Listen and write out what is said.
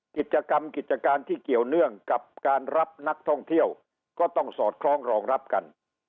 กิจกรรมกิจการที่เกี่ยวเนื่องกับการรับนักท่องเที่ยวก็ต้องสอดคล้องรองรับกัน